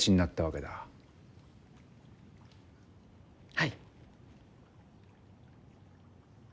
はい。